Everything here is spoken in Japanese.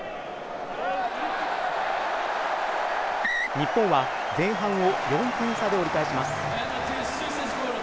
日本は前半を４点差で折り返します。